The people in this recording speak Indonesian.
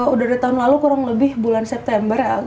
udah dari tahun lalu kurang lebih bulan september ya